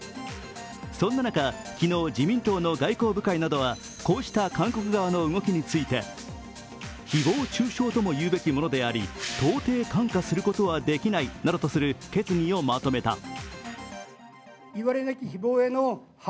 そんな中、昨日自民党の外交部会などは、こうした韓国側の動きについて誹謗中傷とも言うべきものでありとうてい看過することはできないなどとする決議をまとめた。